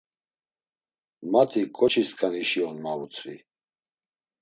Mati ǩoçi skanişi on, ma vutzvi.